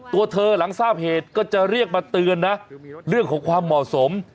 ตัวเธอหลังทราบเหตุก็จะเรียกมาเตือนนะเรื่องของความเหมาะสม